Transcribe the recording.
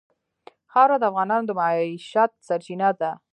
خاوره د افغانانو د معیشت سرچینه ده.